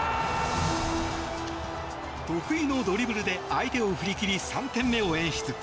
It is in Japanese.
得意のドリブルで相手を振り切り３点目を演出。